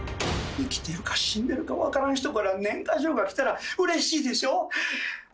生きてるか死んでるか分からん人から年賀状が来たらうれしいでしょ？